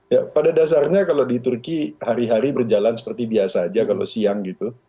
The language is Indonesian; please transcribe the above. ya pada dasarnya kalau di turki hari hari berjalan seperti biasa aja kalau siang gitu